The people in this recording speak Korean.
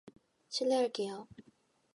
실례할게요.